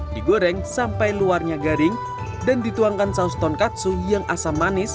digoreng sampai luarnya garing dan dituangkan saus ton katsu yang asam manis